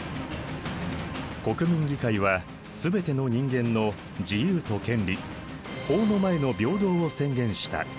国民議会はすべての人間の自由と権利法の前の平等を宣言した。